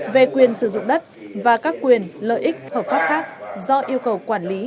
về quyền sử dụng đất và các quyền lợi ích hợp pháp khác do yêu cầu quản lý